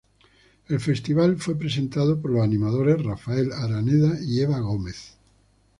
El festival fue presentado por los animadores Rafael Araneda y Eva Gómez.